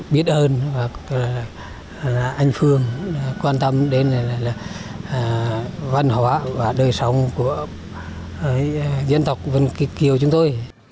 biết ơn anh phương quan tâm đến văn hóa và đời sống của dân tộc vân kiều chúng tôi